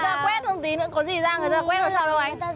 ta quét không tí nữa có gì ra người ta quét là sao đâu anh